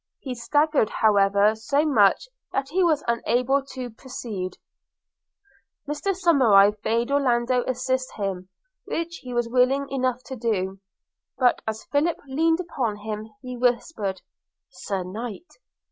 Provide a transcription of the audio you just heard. He staggered however so much that he was unable to proceed. Mr Somerive bade Orlando assist him, which he was willing enough to do; but as Philip leaned upon him he whispered, 'Sir Knight!